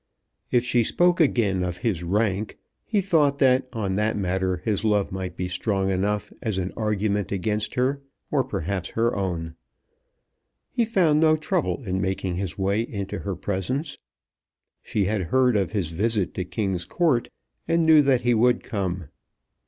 If she spoke again of his rank, he thought that on that matter his love might be strong enough as an argument against her, or perhaps her own. He found no trouble in making his way into her presence. She had heard of his visit to King's Court, and knew that he would come.